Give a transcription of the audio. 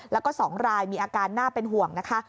แล้วก็๒รายมีอาการน่าเป็นห่วงนะคะ